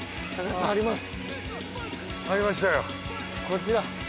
こちら。